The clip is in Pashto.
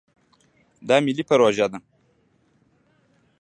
دا ملي پروژه ده.